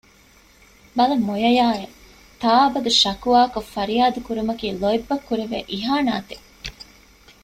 ބަލަ މޮޔަޔާއެވެ! ތާއަބަދު ޝަކުވާކޮށް ފަރިޔާދު ކުރުމަކީ ލޯތްބަށް ކުރެވޭ އިހާނަތެއް